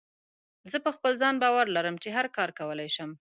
زه په خپل ځان باور لرم چې هر کار کولی شم.